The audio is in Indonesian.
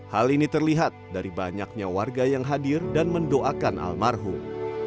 hal ini terlihat dari banyaknya warga yang hadir dan mendoakan almarhum